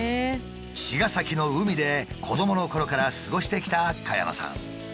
茅ヶ崎の海で子どものころから過ごしてきた加山さん。